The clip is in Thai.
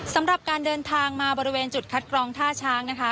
สำหรับการเดินทางมาบริเวณจุดคัดกรองท่าช้างนะคะ